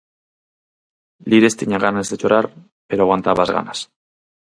Lires tiña ganas de chorar pero aguantaba as ganas.